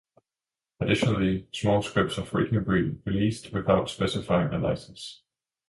Additionally, small scripts are frequently released without specifying a license.